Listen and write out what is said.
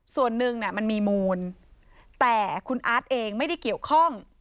ส่วนหนึ่งมันมีมูลแต่คุณอาร์ตเองไม่ได้เกี่ยวข้อง